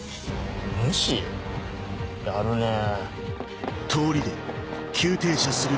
無視？やるねぇ。